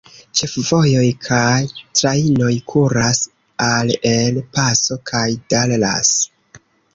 Ĉefvojoj kaj trajnoj kuras al El Paso kaj Dallas.